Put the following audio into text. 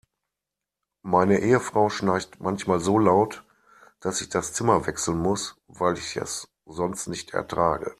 Meine Ehefrau schnarcht manchmal so laut, dass ich das Zimmer wechseln muss, weil ich es sonst nicht ertrage.